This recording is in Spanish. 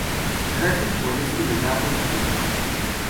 Gracias por este legado tan hermoso.